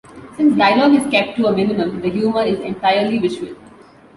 Since dialogue is kept to a minimum, the humour is entirely visual.